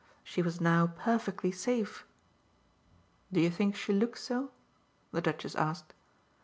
She was now perfectly safe. Do you think she looks so?" the Duchess asked.